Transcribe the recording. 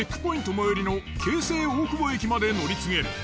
最寄りの京成大久保駅まで乗り継げる。